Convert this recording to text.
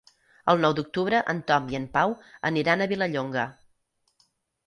El nou d'octubre en Tom i en Pau aniran a Vilallonga.